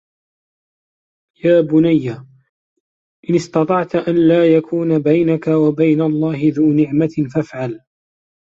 يَا بُنَيَّ إنْ اسْتَطَعْتَ أَنْ لَا يَكُونَ بَيْنَك وَبَيْنَ اللَّهِ ذُو نِعْمَةٍ فَافْعَلْ